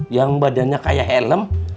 yang badannya kayak helm